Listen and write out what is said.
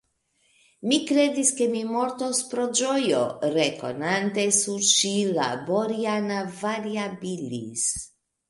Mi kredis, ke mi mortos pro ĝojo, rekonante sur ŝi la Boriana variabilis.